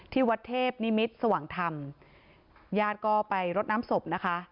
ที่วัดเทพนิมิตรสว่างธรรมญาติก็ไปรดน้ำศพนะคะ